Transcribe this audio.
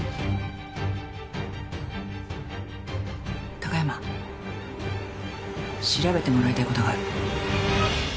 貴山調べてもらいたいことがある。